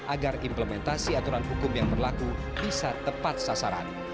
agar implementasi aturan hukum yang berlaku bisa tepat sasaran